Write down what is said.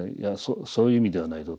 「そういう意味ではないぞ。